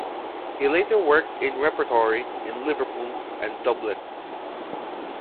He later worked in repertory in Liverpool and Dublin.